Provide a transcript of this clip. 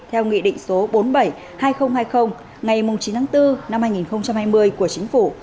theo nghị định số bốn mươi bảy hai nghìn hai mươi ngày chín tháng bốn năm hai nghìn hai mươi của chính phủ